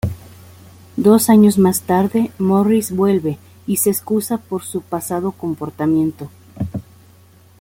Dos años más tarde, Morris vuelve, y se excusa por su pasado comportamiento.